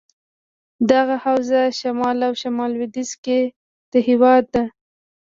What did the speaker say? دغه حوزه شمال او شمال لودیځ کې دهیواد ده.